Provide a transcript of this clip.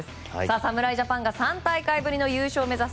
侍ジャパンが３大会ぶりの優勝を目指す